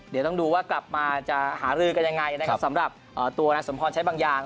เดี๋ยวต้องดูว่ากลับมาจะหารือกันยังไงนะครับสำหรับตัวนายสมพรใช้บางอย่าง